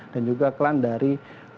dan juga klan dari